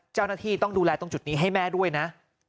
เจ้าหน้าที่ต้องดูแลตรงจุดนี้ให้แม่ด้วยนะ